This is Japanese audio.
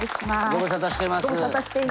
ご無沙汰しています。